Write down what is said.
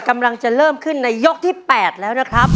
กำลังจะเริ่มขึ้นในยกที่๘แล้วนะครับ